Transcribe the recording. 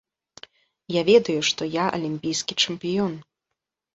Я ведаю, што я алімпійскі чэмпіён.